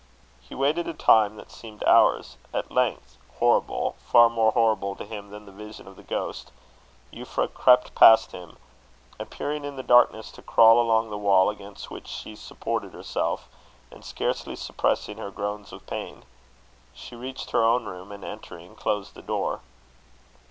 He waited a time that seemed hours. At length horrible, far more horrible to him than the vision of the ghost Euphra crept past him, appearing in the darkness to crawl along the wall against which she supported herself, and scarcely suppressing her groans of pain. She reached her own room, and entering, closed the door.